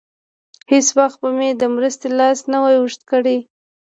هېڅ وخت به مې د مرستې لاس نه وای اوږد کړی.